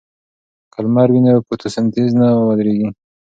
که لمر وي نو فوتوسنتیز نه ودریږي.